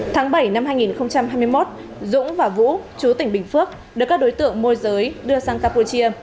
tháng bảy năm hai nghìn hai mươi một dũng và vũ chú tỉnh bình phước được các đối tượng môi giới đưa sang campuchia